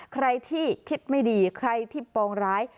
ใครที่คิดไม่ดีใครที่ปองร้าย